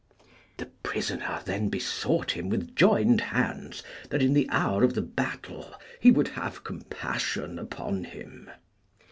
The prisoner then besought him with joined hands that in the hour of the battle he would have compassion upon him.